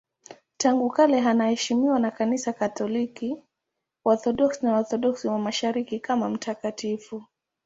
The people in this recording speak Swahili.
Tangu kale anaheshimiwa na Kanisa Katoliki, Waorthodoksi na Waorthodoksi wa Mashariki kama mtakatifu.